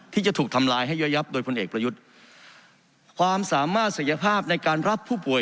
ที่จะถูกทำลายให้เยอะยับโดยพลเอกประยุทธ์ความสามารถศักยภาพในการรับผู้ป่วย